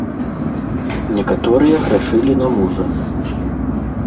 Некаторыя грашылі на мужа.